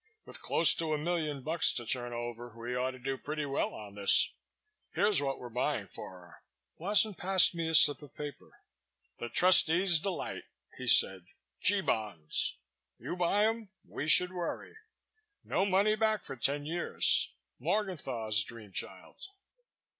With close to a million bucks to turn over, we ought to do pretty well on this. Here's what we're buying for her." Wasson passed me a slip of paper. "The trustee's delight," he said. "G Bonds. You buy 'em, we should worry. No money back for ten years. Morgenthau's dream child."